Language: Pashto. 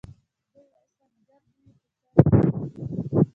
دی وايي سنګر دي وي خو څنګ دي وي